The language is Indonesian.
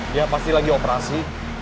dia pasti lagi operasi